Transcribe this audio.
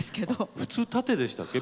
普通縦でしたっけ？